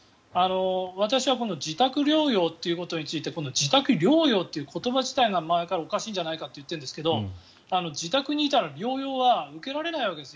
私は自宅療養ということについて自宅療養という言葉自体が前からおかしいんじゃないかと言っているんですが自宅にいたら療養は受けられないわけですね。